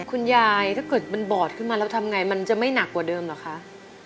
ถ้าเกิดมันบอดขึ้นมาแล้วทำไงมันจะไม่หนักกว่าเดิมเหรอคะ